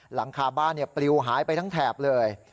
หลังคาบ้านปลิวหายไปทั้งแถบเลย